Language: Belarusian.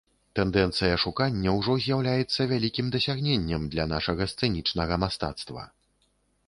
Тэндэнцыя шукання ўжо з'яўляецца вялікім дасягненнем для нашага сцэнічнага мастацтва.